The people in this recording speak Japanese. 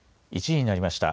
１時になりました。